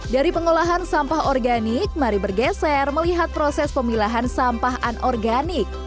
dari pengolahan sampah organik mari bergeser melihat proses pemilahan sampah anorganik